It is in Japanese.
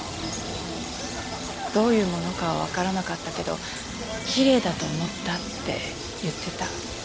どういうものかはわからなかったけどきれいだと思ったって言ってた。